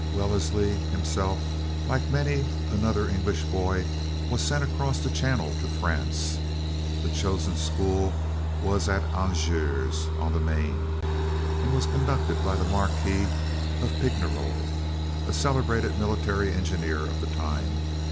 Wellesley himself, like many another English boy, was sent across the channel to France. The chosen school was at Angers on the Maine, and was conducted by the Marquis of Pignerol, a celebrated military engineer of the time.